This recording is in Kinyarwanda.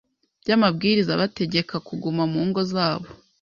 by'amabwiriza abategeka kuguma mu ngo zabo,